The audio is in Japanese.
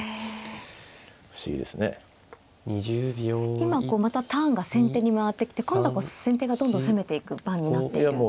今こうまたターンが先手に回ってきて今度は先手がどんどん攻めていく番になっているっていう。